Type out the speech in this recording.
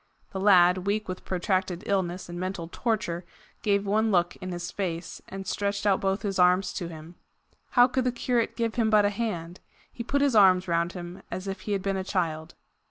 The lad, weak with protracted illness and mental torture, gave one look in his face, and stretched out both his arms to him. How could the curate give him but a hand? He put his arms round him as if he had been a child.